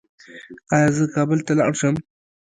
ایا زه کابل ته لاړ شم؟